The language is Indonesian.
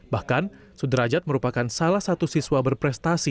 bahkan sudrajat merupakan salah satu siswa berprestasi